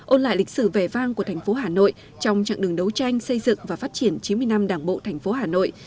ôn lại lịch sử vẻ vang của tp hà nội trong chặng đường đấu tranh xây dựng và phát triển chín mươi năm đảng bộ tp hà nội